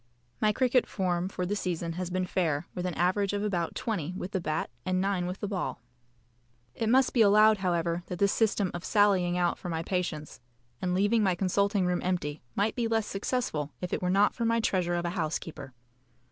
My cricket form for the season has been fair, with an average of about 20 with the bat and 9 with the ball. It must be allowed, however, that this system of sallying out for my patients and leaving my consulting room empty might be less successful if it were not for my treasure of a housekeeper.